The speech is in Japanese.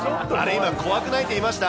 今、怖くないって言いました？